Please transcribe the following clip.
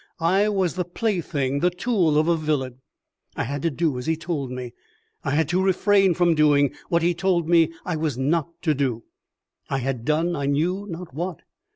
I was the plaything, the tool of a villain. I had to do as he told me; I had to refrain from doing what he told me I was not to do. I had done I knew not what.